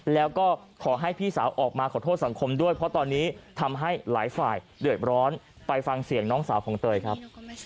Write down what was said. แล้วก็ขอให้พี่สาวออกมาขอโทษสังคมด้วยเพราะตอนนี้ทำให้หลายฝ่ายเดือดร้อนไปฟังเสียงน้องสาวของเตยครับ